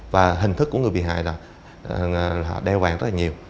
và hình thức của người bị hại là đeo vàng rất là nhiều